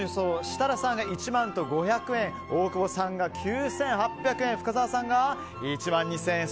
設楽さんが１万５００円大久保さんが９８００円深澤さんが１万２０００円